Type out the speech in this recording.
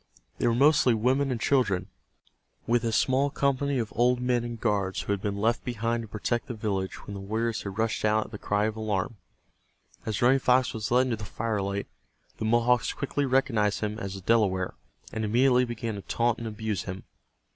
They were mostly women and children, with a small company of old men and guards who had been left behind to protect the village when the warriors had rushed out at the cry of alarm. As Running Fox was led into the firelight the Mohawks quickly recognized him as a Delaware, and immediately began to taunt and abuse him.